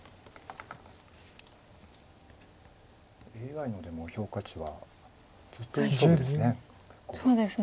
ＡＩのでも評価値はずっといい勝負ですね。